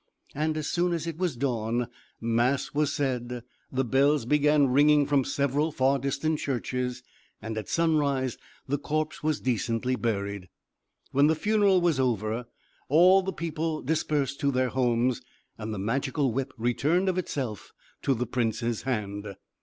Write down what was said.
And as soon as it was dawn mass was said; the bells began ringing from several far distant churches; and at sunrise the corpse was decently buried. When the funeral was over all the people dispersed to their homes, and the Magical Whip returned of itself to the prince's hand.